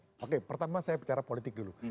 oke pertama saya bicara politik dulu